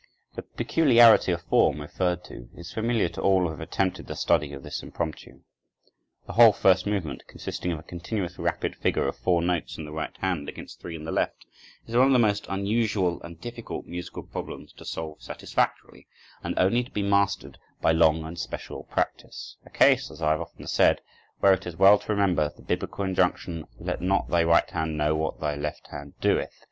The peculiarity of form referred to is familiar to all who have attempted the study of this impromptu. The whole first movement, consisting of a continuous rapid figure of four notes in the right hand against three in the left, is one of the most unusual and difficult musical problems to solve satisfactorily, and only to be mastered by long and special practice—a case, as I have often said, where it is well to remember the biblical injunction, "let not thy right hand know what thy left hand doeth."